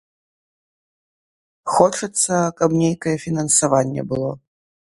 Хочацца, каб нейкае фінансаванне было.